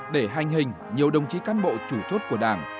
để hành hình nhiều đồng chí cán bộ chủ chốt của đảng